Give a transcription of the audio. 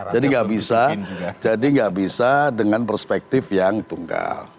jadi tidak bisa dengan perspektif yang tunggal